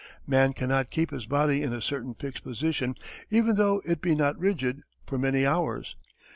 Man cannot keep his body in a certain fixed position even though it be not rigid, for many hours.